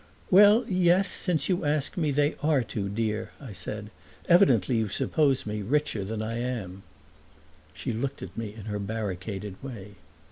"Well yes, since you ask me, they are too dear," I said. "Evidently you suppose me richer than I am." She looked at me in her barricaded way.